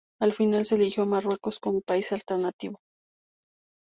Al final, se eligió Marruecos como país alternativo.